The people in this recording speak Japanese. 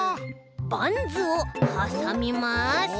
バンズをはさみます。